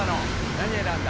何選んだ？